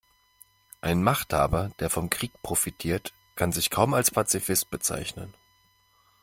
Ein Machthaber, der vom Krieg profitiert, kann sich kaum als Pazifist bezeichnen.